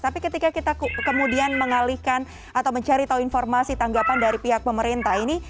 tapi ketika kita kemudian mengalihkan atau mencari tahu informasi tanggapan dari pihak pemerintah ini